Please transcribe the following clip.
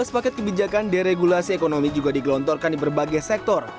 lima belas paket kebijakan deregulasi ekonomi juga digelontorkan di berbagai sektor